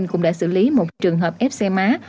cũng đã xử lý một trường hợp ép xe má